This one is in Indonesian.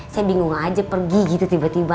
saya bingung aja pergi gitu tiba tiba